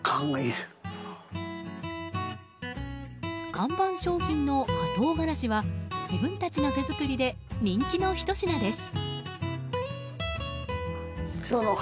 看板商品の葉唐辛子は自分たちの手作りで人気のひと品です。